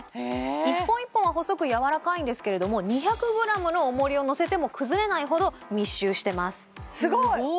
１本１本は細く柔らかいんですけれども２００ｇのおもりをのせても崩れないほど密集してますすごい！